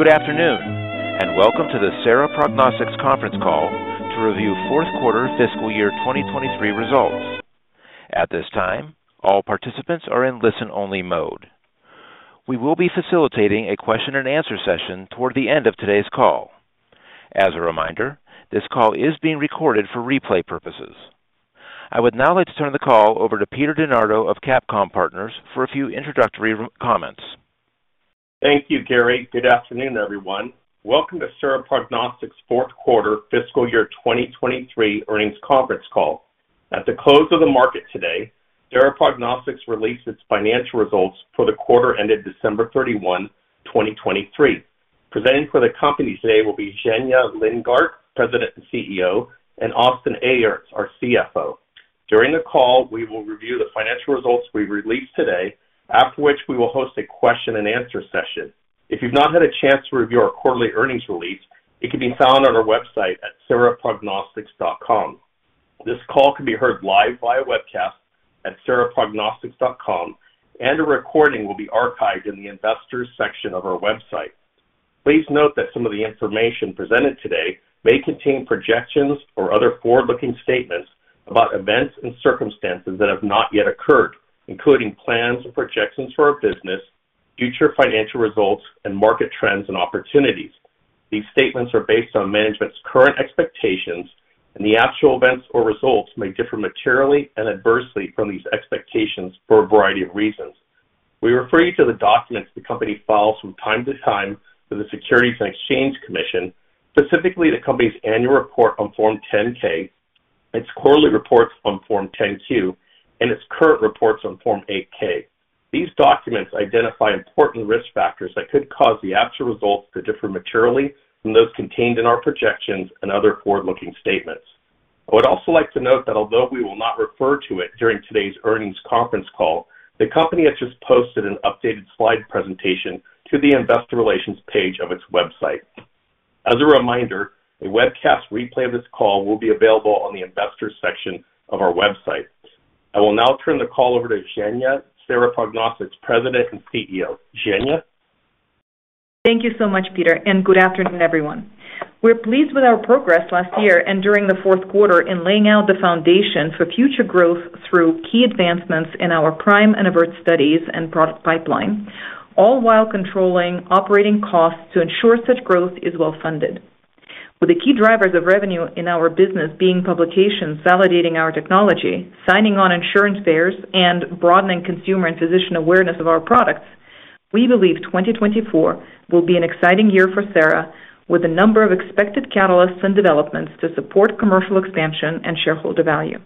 Good afternoon and welcome to the Sera Prognostics conference call to review fourth quarter fiscal year 2023 results. At this time, all participants are in listen-only mode. We will be facilitating a question-and-answer session toward the end of today's call. As a reminder, this call is being recorded for replay purposes. I would now like to turn the call over to Peter DeNardo of CapComm Partners for a few introductory comments. Thank you, Gary. Good afternoon, everyone. Welcome to Sera Prognostics' fourth quarter fiscal year 2023 earnings conference call. At the close of the market today, Sera Prognostics released its financial results for the quarter ended 31 December, 2023. Presenting for the company today will be Zhenya Lindgardt, President and CEO, and Austin Aerts, our CFO. During the call, we will review the financial results we released today, after which we will host a question-and-answer session. If you've not had a chance to review our quarterly earnings release, it can be found on our website at seraprognostics.com. This call can be heard live via webcast at seraprognostics.com, and a recording will be archived in the Investors section of our website. Please note that some of the information presented today may contain projections or other forward-looking statements about events and circumstances that have not yet occurred, including plans and projections for our business, future financial results, and market trends and opportunities. These statements are based on management's current expectations, and the actual events or results may differ materially and adversely from these expectations for a variety of reasons. We refer you to the documents the company files from time to time with the Securities and Exchange Commission, specifically the company's annual report on Form 10-K, its quarterly reports on Form 10-Q, and its current reports on Form 8-K. These documents identify important risk factors that could cause the actual results to differ materially from those contained in our projections and other forward-looking statements. I would also like to note that although we will not refer to it during today's earnings conference call, the company has just posted an updated slide presentation to the Investor Relations page of its website. As a reminder, a webcast replay of this call will be available on the Investors section of our website. I will now turn the call over to Zhenya, Sera Prognostics' President and CEO. Zhenya? Thank you so much, Peter, and good afternoon, everyone. We're pleased with our progress last year and during the fourth quarter in laying out the foundation for future growth through key advancements in our PRIME and AVERT studies and product pipeline, all while controlling operating costs to ensure such growth is well-funded. With the key drivers of revenue in our business being publications validating our technology, signing on insurance payers, and broadening consumer and physician awareness of our products, we believe 2024 will be an exciting year for Sera, with a number of expected catalysts and developments to support commercial expansion and shareholder value.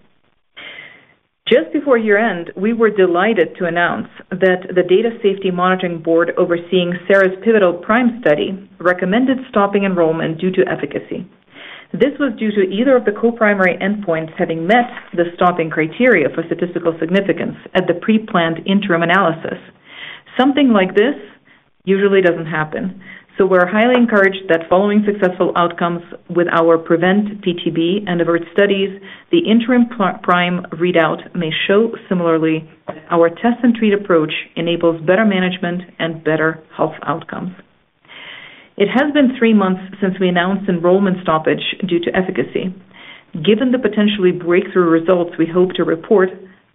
Just before year-end, we were delighted to announce that the Data Safety Monitoring Board overseeing Sera's pivotal PRIME study recommended stopping enrollment due to efficacy. This was due to either of the co-primary endpoints having met the stopping criteria for statistical significance at the pre-planned interim analysis. Something like this usually doesn't happen, so we're highly encouraged that following successful outcomes with our PREVENT-PTB and AVERT studies, the interim PRIME readout may show similarly that our test-and-treat approach enables better management and better health outcomes. It has been three months since we announced enrollment stoppage due to efficacy. Given the potentially breakthrough results we hope to report,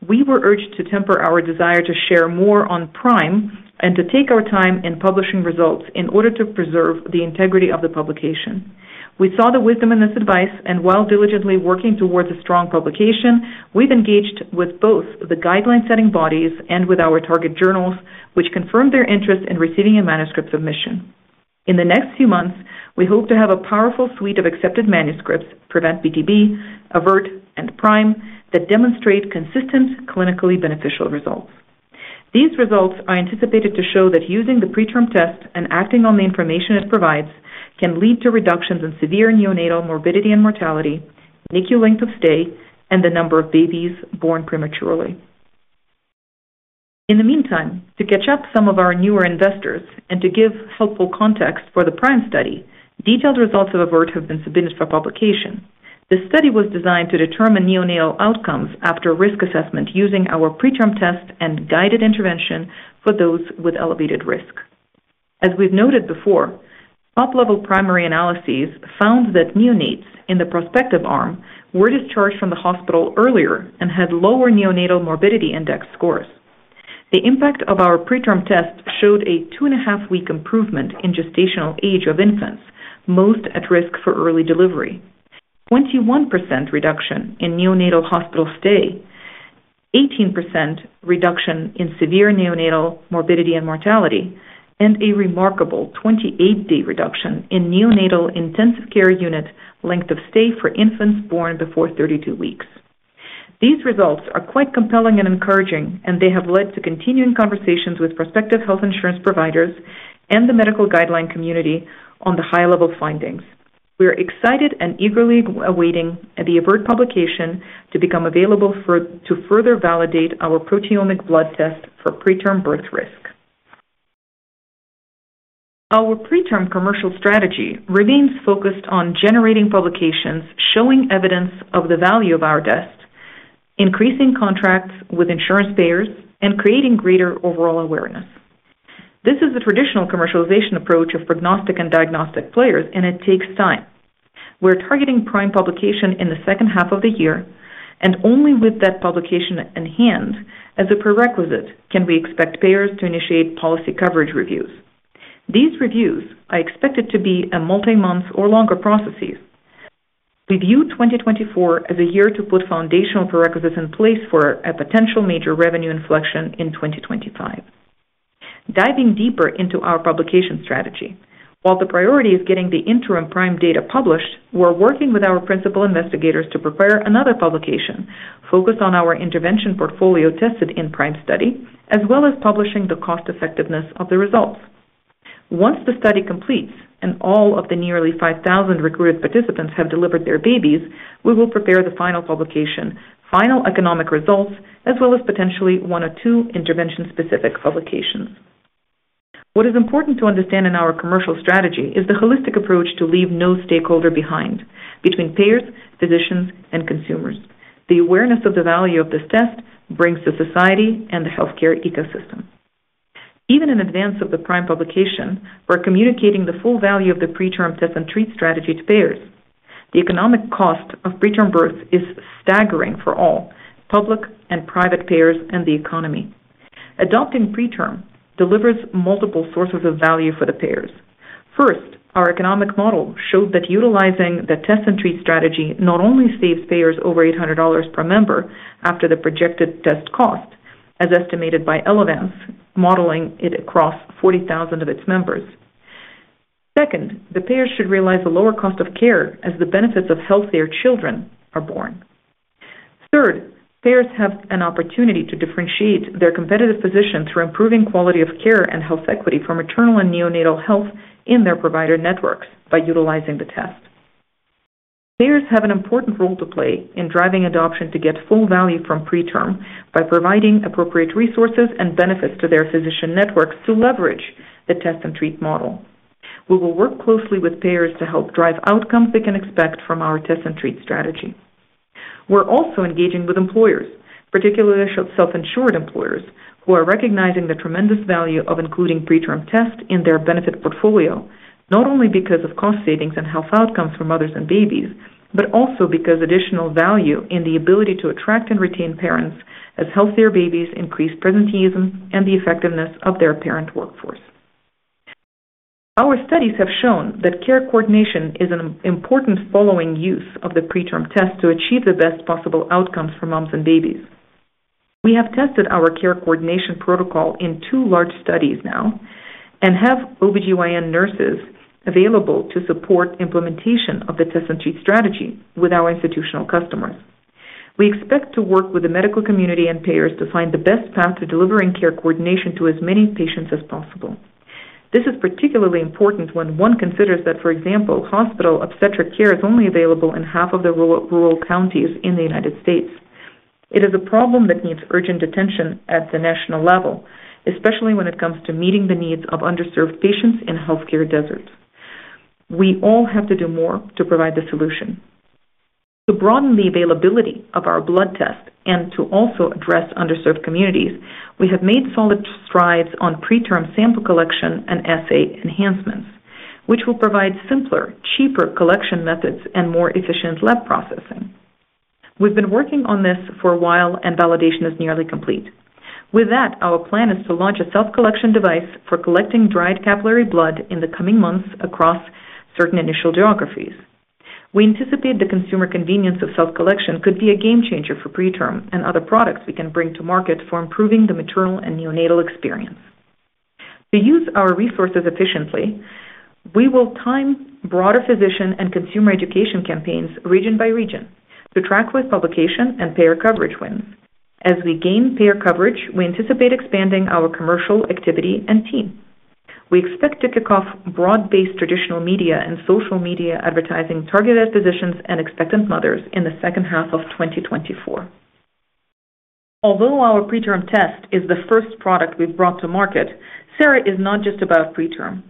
we were urged to temper our desire to share more on PRIME and to take our time in publishing results in order to preserve the integrity of the publication. We saw the wisdom in this advice, and while diligently working towards a strong publication, we've engaged with both the guideline-setting bodies and with our target journals, which confirmed their interest in receiving a manuscript submission. In the next few months, we hope to have a powerful suite of accepted manuscripts (PREVENT-PTB, AVERT, and PRIME) that demonstrate consistent, clinically beneficial results. These results are anticipated to show that using the PreTRM test and acting on the information it provides can lead to reductions in severe neonatal morbidity and mortality, NICU length of stay, and the number of babies born prematurely. In the meantime, to catch up some of our newer investors and to give helpful context for the PRIME study, detailed results of AVERT have been submitted for publication. This study was designed to determine neonatal outcomes after risk assessment using our PreTRM test and guided intervention for those with elevated risk. As we've noted before, top-level primary analyses found that neonates in the prospective arm were discharged from the hospital earlier and had lower neonatal morbidity index scores. The impact of our PreTRM test showed a 2.5-week improvement in gestational age of infants, most at risk for early delivery: 21% reduction in neonatal hospital stay, 18% reduction in severe neonatal morbidity and mortality, and a remarkable 28-day reduction in neonatal intensive care unit length of stay for infants born before 32 weeks. These results are quite compelling and encouraging, and they have led to continuing conversations with prospective health insurance providers and the medical guideline community on the high-level findings. We are excited and eagerly awaiting the AVERT publication to become available to further validate our proteomic blood test for PreTRM birth risk. Our PreTRM commercial strategy remains focused on generating publications showing evidence of the value of our test, increasing contracts with insurance payers, and creating greater overall awareness. This is the traditional commercialization approach of prognostic and diagnostic players, and it takes time. We're targeting PRIME publication in the second half of the year, and only with that publication in hand as a prerequisite can we expect payers to initiate policy coverage reviews. These reviews are expected to be multi-months or longer processes. We view 2024 as a year to put foundational prerequisites in place for a potential major revenue inflection in 2025. Diving deeper into our publication strategy: while the priority is getting the interim PRIME data published, we're working with our principal investigators to prepare another publication focused on our intervention portfolio tested in PRIME study, as well as publishing the cost-effectiveness of the results. Once the study completes and all of the nearly 5,000 recruited participants have delivered their babies, we will prepare the final publication, final economic results, as well as potentially one or two intervention-specific publications. What is important to understand in our commercial strategy is the holistic approach to leave no stakeholder behind between payers, physicians, and consumers. The awareness of the value of this test brings to society and the healthcare ecosystem. Even in advance of the PRIME publication, we're communicating the full value of the PreTRM test-and-treat strategy to payers. The economic cost of PreTRM births is staggering for all public and private payers and the economy. Adopting PreTRM delivers multiple sources of value for the payers. First, our economic model showed that utilizing the test-and-treat strategy not only saves payers over $800 per member after the projected test cost, as estimated by Elevance, modeling it across 40,000 of its members. Second, the payers should realize a lower cost of care as the benefits of healthier children are born. Third, payers have an opportunity to differentiate their competitive position through improving quality of care and health equity for maternal and neonatal health in their provider networks by utilizing the test. Payers have an important role to play in driving adoption to get full value from PreTRM by providing appropriate resources and benefits to their physician networks to leverage the test-and-treat model. We will work closely with payers to help drive outcomes they can expect from our test-and-treat strategy. We're also engaging with employers, particularly self-insured employers, who are recognizing the tremendous value of including PreTRM tests in their benefit portfolio, not only because of cost savings and health outcomes for mothers and babies, but also because additional value in the ability to attract and retain parents as healthier babies increase presenteeism and the effectiveness of their parent workforce. Our studies have shown that care coordination is an important following use of the PreTRM test to achieve the best possible outcomes for moms and babies. We have tested our care coordination protocol in two large studies now and have OB-GYN nurses available to support implementation of the test-and-treat strategy with our institutional customers. We expect to work with the medical community and payers to find the best path to delivering care coordination to as many patients as possible. This is particularly important when one considers that, for example, hospital obstetric care is only available in half of the rural counties in the United States. It is a problem that needs urgent attention at the national level, especially when it comes to meeting the needs of underserved patients in healthcare deserts. We all have to do more to provide the solution. To broaden the availability of our blood test and to also address underserved communities, we have made solid strides on PreTRM sample collection and assay enhancements, which will provide simpler, cheaper collection methods and more efficient lab processing. We've been working on this for a while, and validation is nearly complete. With that, our plan is to launch a self-collection device for collecting dried capillary blood in the coming months across certain initial geographies. We anticipate the consumer convenience of self-collection could be a game-changer for PreTRM and other products we can bring to market for improving the maternal and neonatal experience. To use our resources efficiently, we will time broader physician and consumer education campaigns region by region to track with publication and payer coverage wins. As we gain payer coverage, we anticipate expanding our commercial activity and team. We expect to kick off broad-based traditional media and social media advertising targeted at physicians and expectant mothers in the second half of 2024. Although our PreTRM test is the first product we've brought to market, Sera is not just about PreTRM.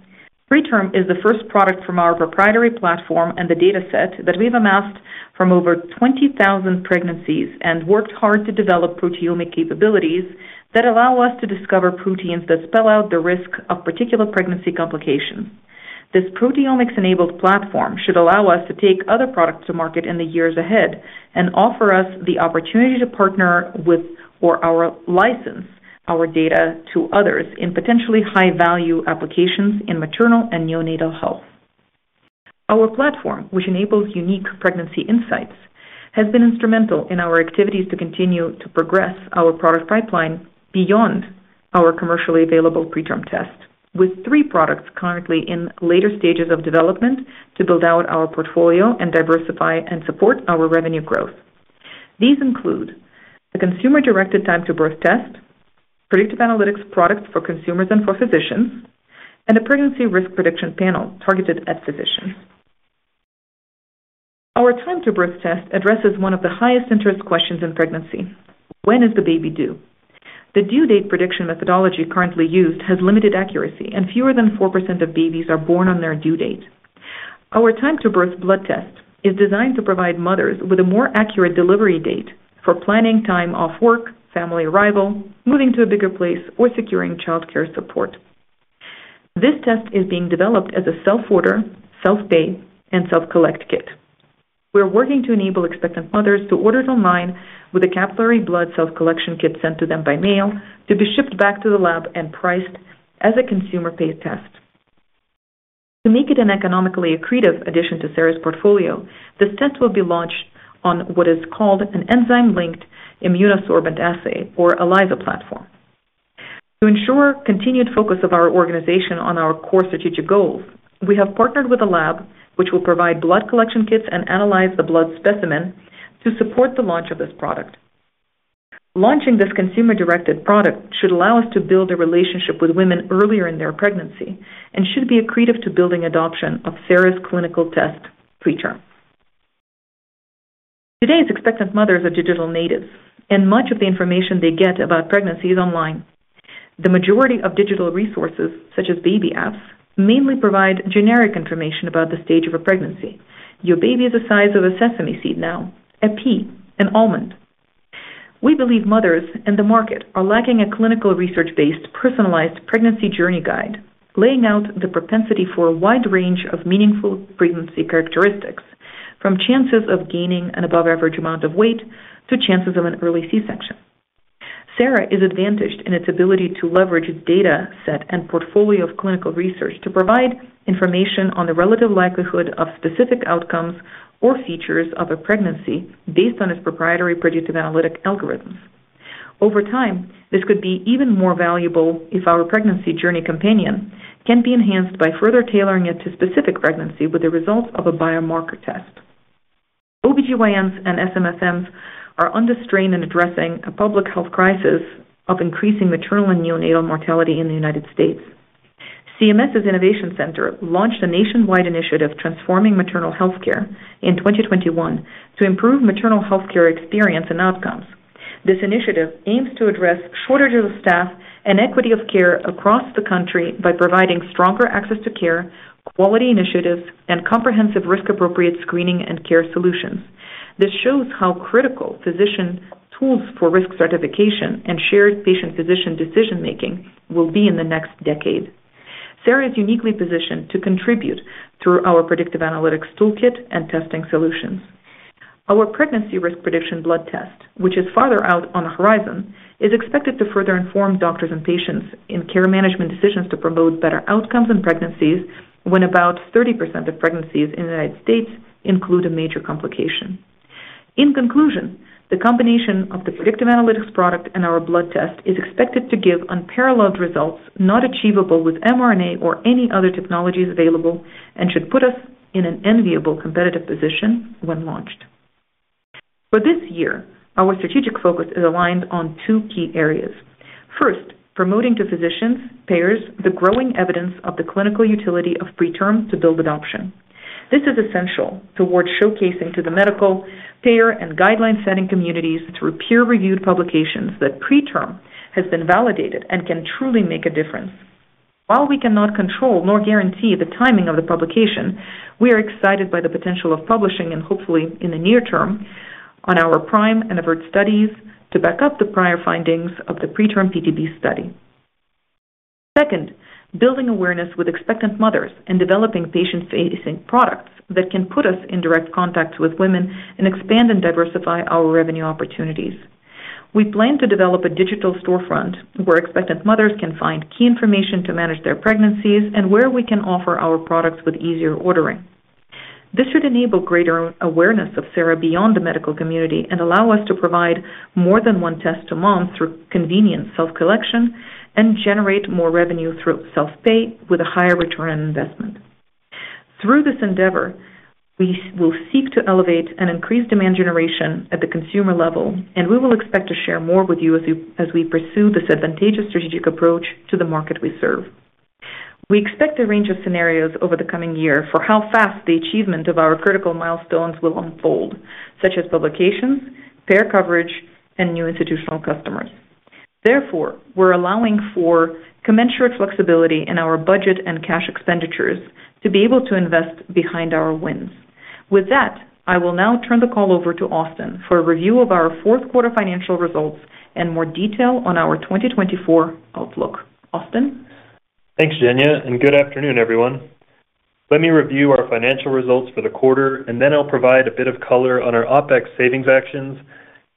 PreTRM is the first product from our proprietary platform and the dataset that we've amassed from over 20,000 pregnancies and worked hard to develop proteomic capabilities that allow us to discover proteins that spell out the risk of particular pregnancy complications. This proteomics-enabled platform should allow us to take other products to market in the years ahead and offer us the opportunity to partner with or license our data to others in potentially high-value applications in maternal and neonatal health. Our platform, which enables unique pregnancy insights, has been instrumental in our activities to continue to progress our product pipeline beyond our commercially available PreTRM test, with three products currently in later stages of development to build out our portfolio and diversify and support our revenue growth. These include a consumer-directed Time-to-Birth test, predictive analytics products for consumers and for physicians, and a pregnancy risk prediction panel targeted at physicians. Our Time-to-Birth test addresses one of the highest interest questions in pregnancy: when is the baby due? The due date prediction methodology currently used has limited accuracy, and fewer than 4% of babies are born on their due date. Our Time-to-Birth blood test is designed to provide mothers with a more accurate delivery date for planning time off work, family arrival, moving to a bigger place, or securing childcare support. This test is being developed as a self-order, self-pay, and self-collect kit. We're working to enable expectant mothers to order it online with a capillary blood self-collection kit sent to them by mail to be shipped back to the lab and priced as a consumer-pay test. To make it an economically accretive addition to Sera's portfolio, this test will be launched on what is called an enzyme-linked immunosorbent assay, or ELISA platform. To ensure continued focus of our organization on our core strategic goals, we have partnered with a lab which will provide blood collection kits and analyze the blood specimen to support the launch of this product. Launching this consumer-directed product should allow us to build a relationship with women earlier in their pregnancy and should be accretive to building adoption of Sera's clinical test PreTRM. Today's expectant mothers are digital natives, and much of the information they get about pregnancy is online. The majority of digital resources, such as baby apps, mainly provide generic information about the stage of a pregnancy: "Your baby is the size of a sesame seed now," a pea, an almond. We believe mothers and the market are lacking a clinical research-based personalized pregnancy journey guide, laying out the propensity for a wide range of meaningful pregnancy characteristics, from chances of gaining an above-average amount of weight to chances of an early C-section. Sera is advantaged in its ability to leverage its dataset and portfolio of clinical research to provide information on the relative likelihood of specific outcomes or features of a pregnancy based on its proprietary predictive analytic algorithms. Over time, this could be even more valuable if our pregnancy journey companion can be enhanced by further tailoring it to specific pregnancy with the results of a biomarker test. OB-GYNs and MFMs are under strain in addressing a public health crisis of increasing maternal and neonatal mortality in the United States. CMS's Innovation Center launched a nationwide initiative transforming maternal healthcare in 2021 to improve maternal healthcare experience and outcomes. This initiative aims to address shortages of staff and equity of care across the country by providing stronger access to care, quality initiatives, and comprehensive risk-appropriate screening and care solutions. This shows how critical physician tools for risk certification and shared patient-physician decision-making will be in the next decade. Sera is uniquely positioned to contribute through our predictive analytics toolkit and testing solutions. Our pregnancy risk prediction blood test, which is farther out on the horizon, is expected to further inform doctors and patients in care management decisions to promote better outcomes in pregnancies when about 30% of pregnancies in the United States include a major complication. In conclusion, the combination of the predictive analytics product and our blood test is expected to give unparalleled results not achievable with mRNA or any other technologies available and should put us in an enviable competitive position when launched. For this year, our strategic focus is aligned on two key areas. First, promoting to physicians, payers, the growing evidence of the clinical utility of PreTRM to build adoption. This is essential towards showcasing to the medical, payer, and guideline-setting communities through peer-reviewed publications that PreTRM has been validated and can truly make a difference. While we cannot control nor guarantee the timing of the publication, we are excited by the potential of publishing, and hopefully in the near term, on our PRIME and AVERT studies to back up the prior findings of the PREVENT-PTB study. Second, building awareness with expectant mothers and developing patient-facing products that can put us in direct contact with women and expand and diversify our revenue opportunities. We plan to develop a digital storefront where expectant mothers can find key information to manage their pregnancies and where we can offer our products with easier ordering. This should enable greater awareness of Sera beyond the medical community and allow us to provide more than one test to moms through convenient self-collection and generate more revenue through self-pay with a higher return on investment. Through this endeavor, we will seek to elevate and increase demand generation at the consumer level, and we will expect to share more with you as we pursue this advantageous strategic approach to the market we serve. We expect a range of scenarios over the coming year for how fast the achievement of our critical milestones will unfold, such as publications, payer coverage, and new institutional customers. Therefore, we're allowing for commensurate flexibility in our budget and cash expenditures to be able to invest behind our wins. With that, I will now turn the call over to Austin for a review of our fourth quarter financial results and more detail on our 2024 outlook. Austin? Thanks, Zhenya, and good afternoon, everyone. Let me review our financial results for the quarter, and then I'll provide a bit of color on our OpEx savings actions,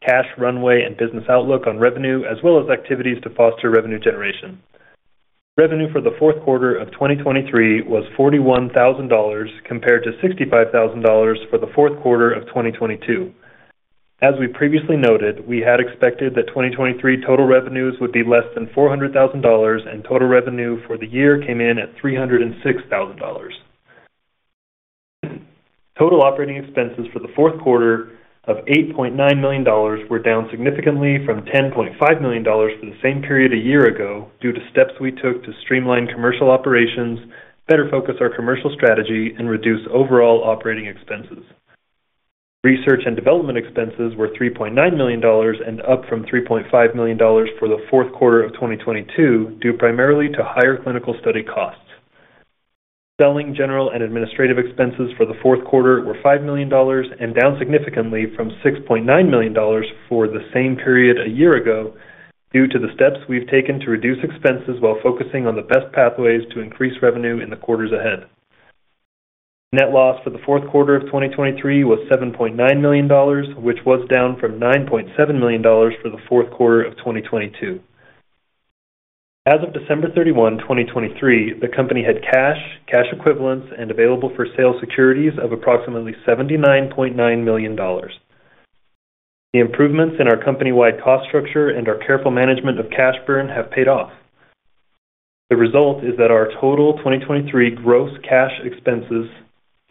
cash runway, and business outlook on revenue, as well as activities to foster revenue generation. Revenue for the fourth quarter of 2023 was $41,000 compared to $65,000 for the fourth quarter of 2022. As we previously noted, we had expected that 2023 total revenues would be less than $400,000, and total revenue for the year came in at $306,000. Total operating expenses for the fourth quarter of $8.9 million were down significantly from $10.5 million for the same period a year ago due to steps we took to streamline commercial operations, better focus our commercial strategy, and reduce overall operating expenses. Research and development expenses were $3.9 million and up from $3.5 million for the fourth quarter of 2022 due primarily to higher clinical study costs. Selling, general, and administrative expenses for the fourth quarter were $5 million and down significantly from $6.9 million for the same period a year ago due to the steps we've taken to reduce expenses while focusing on the best pathways to increase revenue in the quarters ahead. Net loss for the fourth quarter of 2023 was $7.9 million, which was down from $9.7 million for the fourth quarter of 2022. As of December 31, 2023, the company had cash, cash equivalents, and available-for-sale securities of approximately $79.9 million. The improvements in our company-wide cost structure and our careful management of cash burn have paid off. The result is that our total 2023 gross cash expenses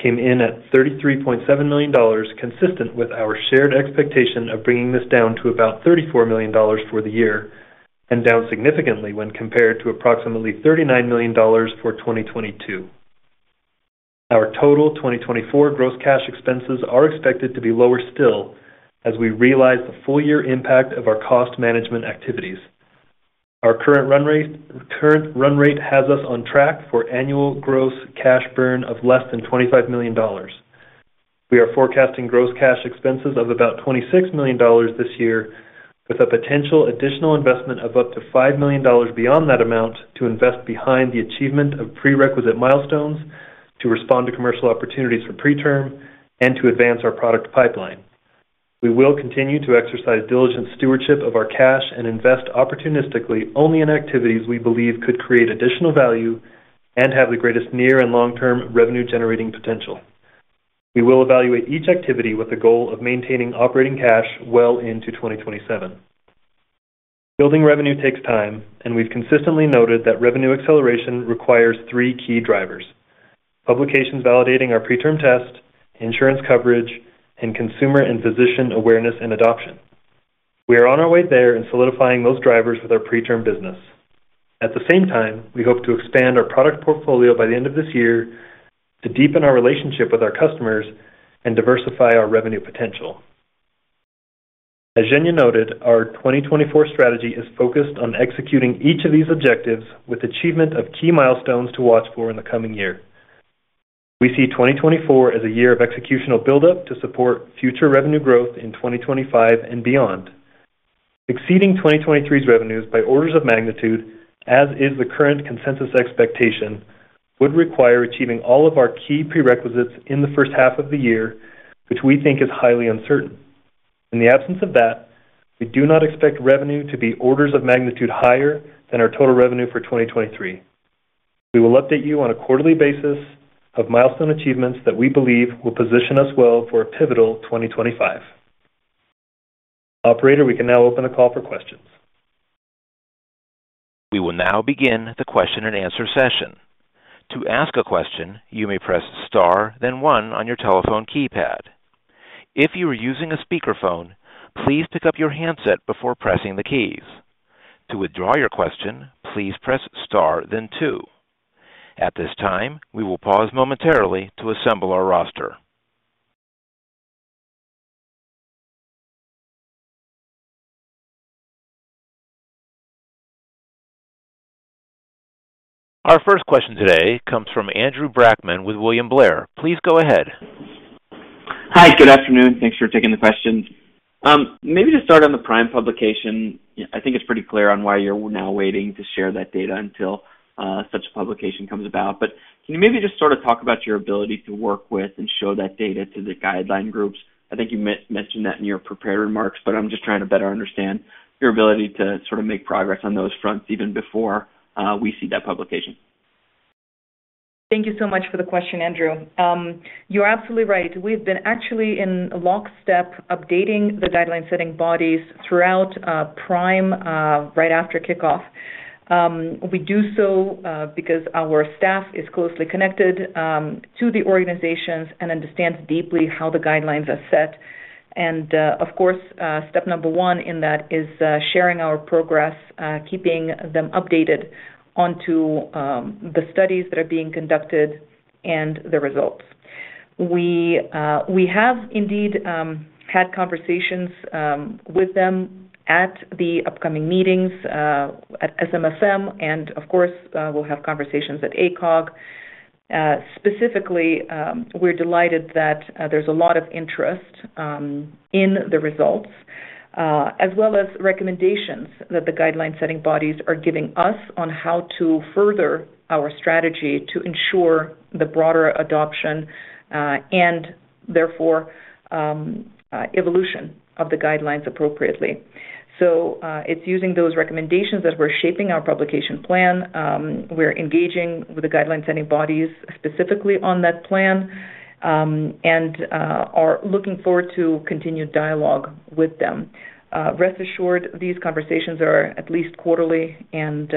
came in at $33.7 million, consistent with our shared expectation of bringing this down to about $34 million for the year and down significantly when compared to approximately $39 million for 2022. Our total 2024 gross cash expenses are expected to be lower still as we realize the full-year impact of our cost management activities. Our current run rate has us on track for annual gross cash burn of less than $25 million. We are forecasting gross cash expenses of about $26 million this year, with a potential additional investment of up to $5 million beyond that amount to invest behind the achievement of prerequisite milestones, to respond to commercial opportunities for PreTRM, and to advance our product pipeline. We will continue to exercise diligent stewardship of our cash and invest opportunistically only in activities we believe could create additional value and have the greatest near and long-term revenue-generating potential. We will evaluate each activity with the goal of maintaining operating cash well into 2027. Building revenue takes time, and we've consistently noted that revenue acceleration requires three key drivers: publications validating our PreTRM test, insurance coverage, and consumer and physician awareness and adoption. We are on our way there and solidifying those drivers with our PreTRM business. At the same time, we hope to expand our product portfolio by the end of this year to deepen our relationship with our customers and diversify our revenue potential. As Zhenya noted, our 2024 strategy is focused on executing each of these objectives with achievement of key milestones to watch for in the coming year. We see 2024 as a year of executional buildup to support future revenue growth in 2025 and beyond. Exceeding 2023's revenues by orders of magnitude, as is the current consensus expectation, would require achieving all of our key prerequisites in the first half of the year, which we think is highly uncertain. In the absence of that, we do not expect revenue to be orders of magnitude higher than our total revenue for 2023. We will update you on a quarterly basis of milestone achievements that we believe will position us well for a pivotal 2025. Operator, we can now open the call for questions. We will now begin the question-and-answer session. To ask a question, you may press star then one on your telephone keypad. If you are using a speakerphone, please pick up your handset before pressing the keys. To withdraw your question, please press star then two. At this time, we will pause momentarily to assemble our roster. Our first question today comes from Andrew Brackmann with William Blair. Please go ahead. Hi. Good afternoon. Thanks for taking the question. Maybe to start on the PRIME publication, I think it's pretty clear on why you're now waiting to share that data until such a publication comes about. But can you maybe just sort of talk about your ability to work with and show that data to the guideline groups? I think you mentioned that in your prepared remarks, but I'm just trying to better understand your ability to sort of make progress on those fronts even before we see that publication. Thank you so much for the question, Andrew. You're absolutely right. We've been actually in lockstep updating the guideline-setting bodies throughout PRIME right after kickoff. We do so because our staff is closely connected to the organizations and understands deeply how the guidelines are set. Of course, step number one in that is sharing our progress, keeping them updated on the studies that are being conducted and the results. We have indeed had conversations with them at the upcoming meetings at SMFM, and of course, we'll have conversations at ACOG. Specifically, we're delighted that there's a lot of interest in the results, as well as recommendations that the guideline-setting bodies are giving us on how to further our strategy to ensure the broader adoption and, therefore, evolution of the guidelines appropriately. So it's using those recommendations that we're shaping our publication plan. We're engaging with the guideline-setting bodies specifically on that plan and are looking forward to continued dialogue with them. Rest assured, these conversations are at least quarterly, and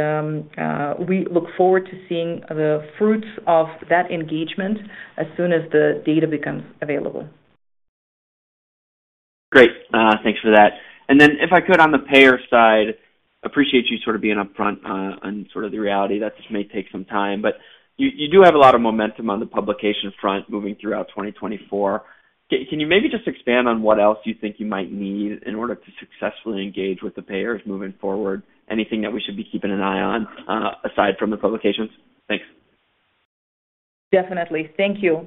we look forward to seeing the fruits of that engagement as soon as the data becomes available. Great. Thanks for that. And then if I could, on the payer side, appreciate you sort of being upfront on sort of the reality. That just may take some time. But you do have a lot of momentum on the publication front moving throughout 2024. Can you maybe just expand on what else you think you might need in order to successfully engage with the payers moving forward? Anything that we should be keeping an eye on aside from the publications? Thanks. Definitely. Thank you.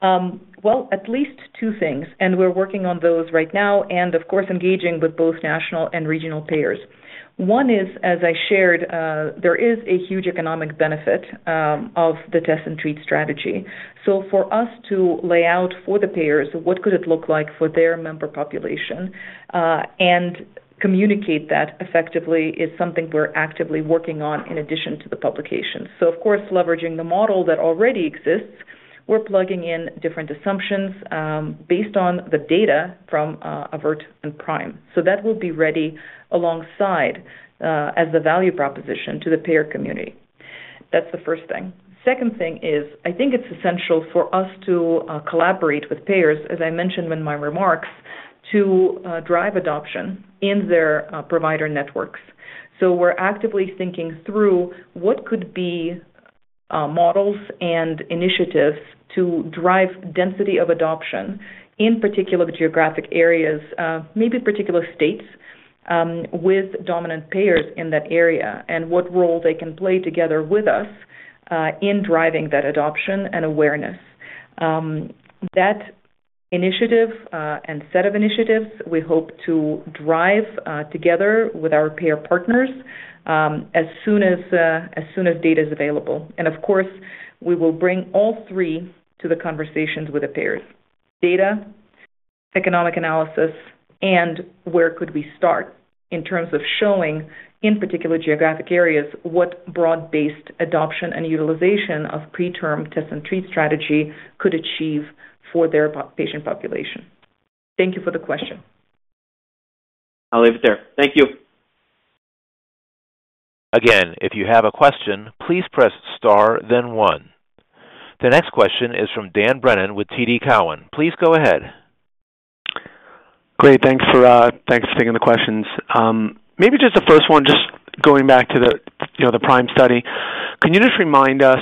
Well, at least two things, and we're working on those right now and, of course, engaging with both national and regional payers. One is, as I shared, there is a huge economic benefit of the test-and-treat strategy. So for us to lay out for the payers what could it look like for their member population and communicate that effectively is something we're actively working on in addition to the publications. So of course, leveraging the model that already exists, we're plugging in different assumptions based on the data from AVERT and PRIME. So that will be ready alongside as the value proposition to the payer community. That's the first thing. Second thing is, I think it's essential for us to collaborate with payers, as I mentioned in my remarks, to drive adoption in their provider networks. So we're actively thinking through what could be models and initiatives to drive density of adoption, in particular geographic areas, maybe particular states, with dominant payers in that area and what role they can play together with us in driving that adoption and awareness. That initiative and set of initiatives, we hope to drive together with our payer partners as soon as data is available. And of course, we will bring all three to the conversations with the payers: data, economic analysis, and where could we start in terms of showing, in particular geographic areas, what broad-based adoption and utilization of PreTRM test-and-treat strategy could achieve for their patient population. Thank you for the question. I'll leave it there. Thank you. Again, if you have a question, please press * then 1. The next question is from Dan Brennan with TD Cowen. Please go ahead. Great. Thanks for taking the questions. Maybe just the first one, just going back to the PRIME study. Can you just remind us,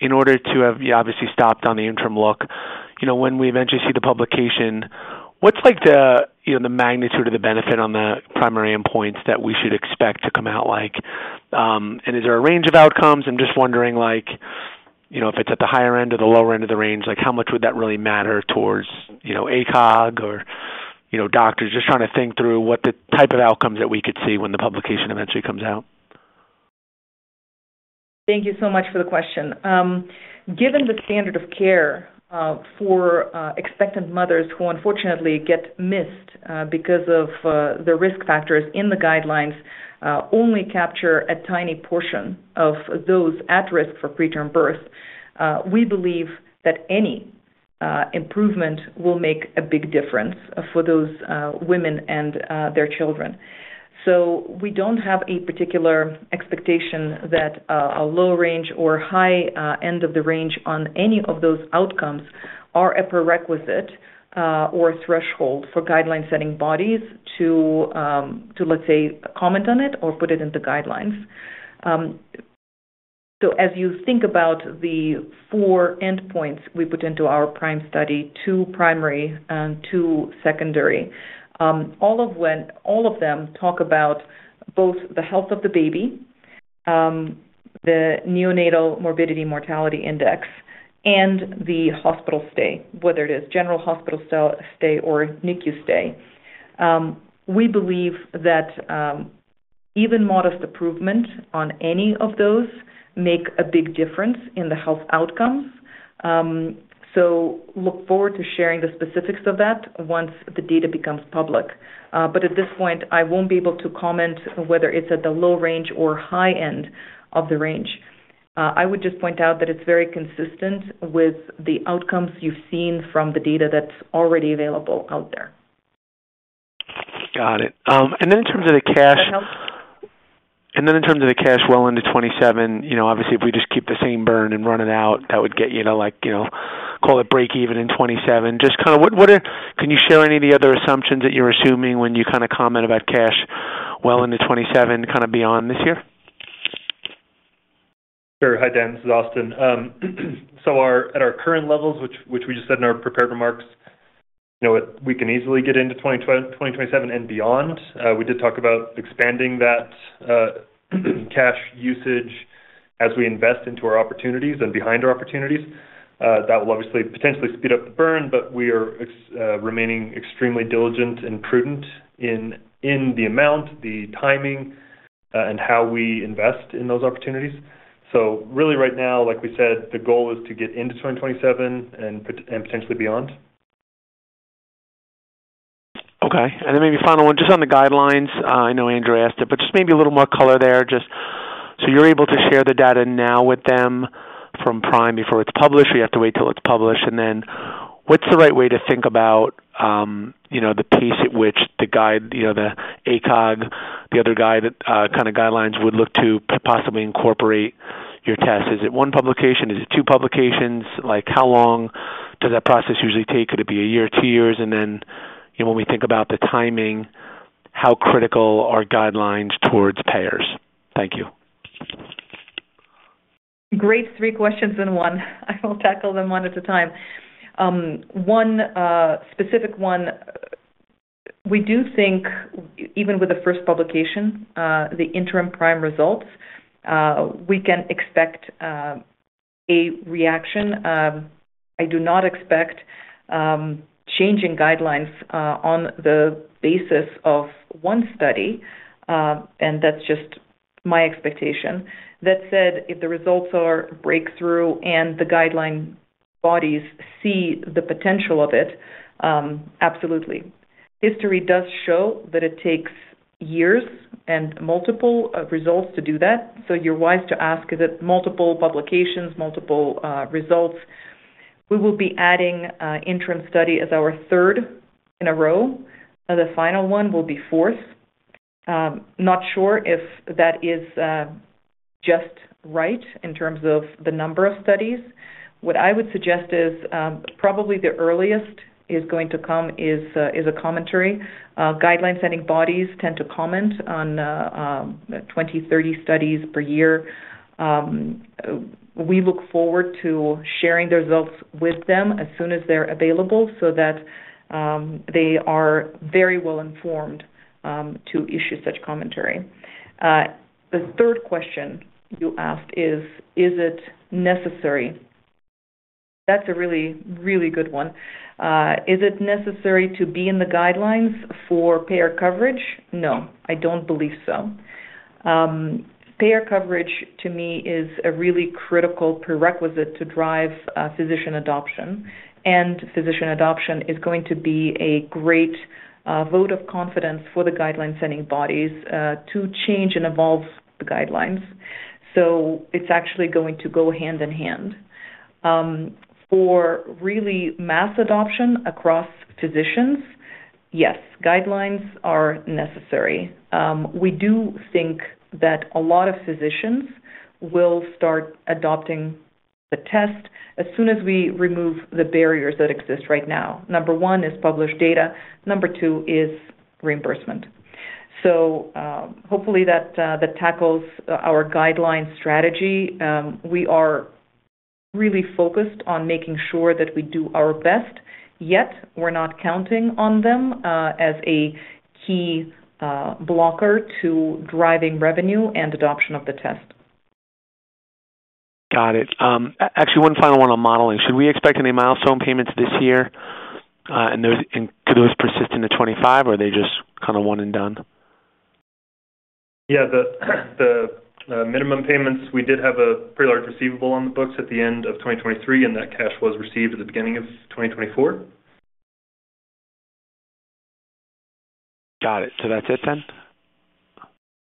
in order to have you obviously stopped on the interim look, when we eventually see the publication, what's the magnitude of the benefit on the primary endpoints that we should expect to come out like? And is there a range of outcomes? I'm just wondering if it's at the higher end or the lower end of the range, how much would that really matter towards ACOG or doctors? Just trying to think through what the type of outcomes that we could see when the publication eventually comes out. Thank you so much for the question. Given the standard of care for expectant mothers who, unfortunately, get missed because of the risk factors in the guidelines, only capture a tiny portion of those at risk for PreTRM birth, we believe that any improvement will make a big difference for those women and their children. So we don't have a particular expectation that a low range or high end of the range on any of those outcomes are a prerequisite or a threshold for guideline-setting bodies to, let's say, comment on it or put it in the guidelines. So as you think about the four endpoints we put into our PRIME study, two primary and two secondary, all of them talk about both the health of the baby, the Neonatal Morbidity Mortality Index, and the hospital stay, whether it is general hospital stay or NICU stay. We believe that even modest improvement on any of those makes a big difference in the health outcomes. So look forward to sharing the specifics of that once the data becomes public. But at this point, I won't be able to comment whether it's at the low range or high end of the range. I would just point out that it's very consistent with the outcomes you've seen from the data that's already available out there. Got it. And then in terms of the cash. And then in terms of the cash well into 2027, obviously, if we just keep the same burn and run it out, that would get you to call it break-even in 2027. Just kind of can you share any of the other assumptions that you're assuming when you kind of comment about cash well into 2027, kind of beyond this year? Sure. Hi, Dan. This is Austin. So at our current levels, which we just said in our prepared remarks, we can easily get into 2027 and beyond. We did talk about expanding that cash usage as we invest into our opportunities and behind our opportunities. That will obviously potentially speed up the burn, but we are remaining extremely diligent and prudent in the amount, the timing, and how we invest in those opportunities. So really, right now, like we said, the goal is to get into 2027 and potentially beyond. Okay. And then maybe final one, just on the guidelines. I know Andrew asked it, but just maybe a little more color there. So you're able to share the data now with them from PRIME before it's published, or you have to wait till it's published. And then what's the right way to think about the pace at which the ACOG, the other guidelines, would look to possibly incorporate your test? Is it one publication? Is it two publications? How long does that process usually take? Could it be a year, two years? And then, when we think about the timing, how critical are guidelines towards payers? Thank you. Great, three questions in one. I will tackle them one at a time. One specific one, we do think even with the first publication, the interim PRIME results, we can expect a reaction. I do not expect changing guidelines on the basis of one study, and that's just my expectation. That said, if the results are breakthrough and the guideline bodies see the potential of it, absolutely. History does show that it takes years and multiple results to do that, so you're wise to ask, is it multiple publications, multiple results? We will be adding interim study as our third in a row. The final one will be fourth. Not sure if that is just right in terms of the number of studies. What I would suggest is probably the earliest is going to come is a commentary. Guideline-setting bodies tend to comment on 20, 30 studies per year. We look forward to sharing the results with them as soon as they're available so that they are very well informed to issue such commentary. The third question you asked is, is it necessary? That's a really, really good one. Is it necessary to be in the guidelines for payer coverage? No, I don't believe so. Payer coverage, to me, is a really critical prerequisite to drive physician adoption, and physician adoption is going to be a great vote of confidence for the guideline-setting bodies to change and evolve the guidelines. So it's actually going to go hand in hand. For really mass adoption across physicians, yes, guidelines are necessary. We do think that a lot of physicians will start adopting the test as soon as we remove the barriers that exist right now. Number one is published data. Number two is reimbursement. So hopefully that tackles our guideline strategy. We are really focused on making sure that we do our best, yet we're not counting on them as a key blocker to driving revenue and adoption of the test. Got it. Actually, one final one on modeling. Should we expect any milestone payments this year, and could those persist into 2025, or are they just kind of one and done? Yeah. The minimum payments, we did have a pretty large receivable on the books at the end of 2023, and that cash was received at the beginning of 2024. Got it. So that's it, then?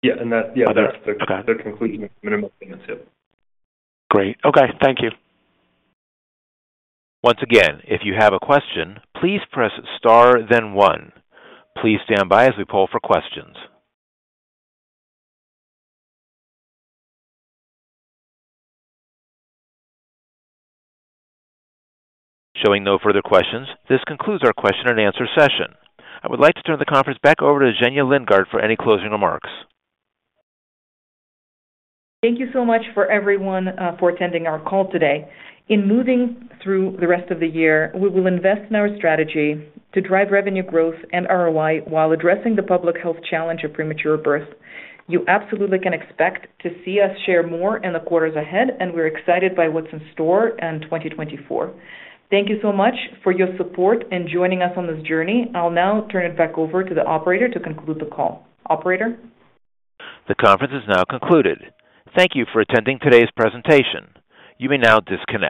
Yeah. And that's the conclusion of minimum payments. Yep. Great. Okay. Thank you. Once again, if you have a question, please press star then one. Please stand by as we pull for questions. Showing no further questions, this concludes our question-and-answer session. I would like to turn the conference back over to Zhenya Lindgardt for any closing remarks. Thank you so much for everyone for attending our call today. In moving through the rest of the year, we will invest in our strategy to drive revenue growth and ROI while addressing the public health challenge of premature birth. You absolutely can expect to see us share more in the quarters ahead, and we're excited by what's in store in 2024. Thank you so much for your support and joining us on this journey. I'll now turn it back over to the operator to conclude the call. Operator? The conference is now concluded. Thank you for attending today's presentation. You may now disconnect.